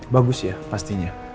bagus ya pastinya